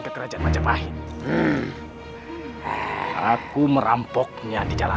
karena dikasih beras oleh lokal jaya